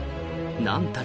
何たる